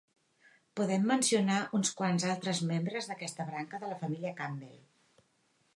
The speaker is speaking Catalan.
Podem mencionar uns quants altres membres d'aquesta branca de la família Campbell.